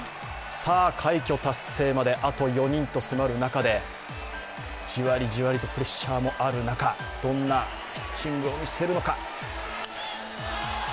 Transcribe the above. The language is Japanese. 快挙達成まであと４人と迫る中で、じわりじわりとプレッシャーもある中、どんなピッチングを見せるのか。